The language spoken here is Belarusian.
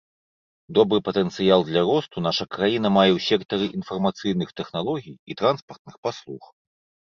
Добры патэнцыял для росту наша краіна мае ў сектары інфармацыйных тэхналогій і транспартных паслуг.